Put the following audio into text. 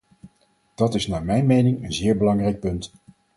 Dat is naar mijn mening een zeer belangrijk punt.